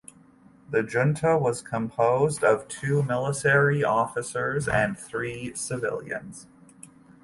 The junta was composed of two military officers and three civilians.